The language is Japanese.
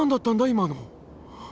今の。